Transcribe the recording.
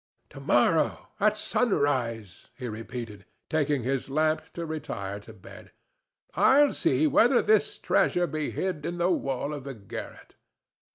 "To morrow, at sunrise," he repeated, taking his lamp to retire to bed, "I'll see whether this treasure be hid in the wall of the garret."